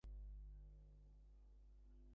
হেই, আমরা কি কথা বলতে পারি না?